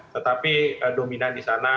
tetapi dominan di sana